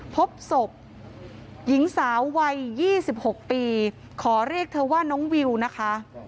พบศพหญิงสาววัย๒๖ปีขอเรียกเธอว่าน้องวิวนะคะ